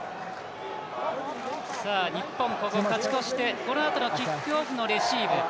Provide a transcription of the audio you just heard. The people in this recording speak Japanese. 日本、勝ち越してこのあとのキックオフのレシーブ。